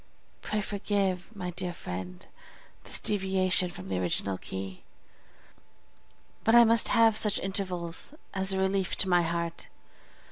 Pray forgive, my dear friend, this deviation from the original key, but I must have such intervals as a relief to my heart.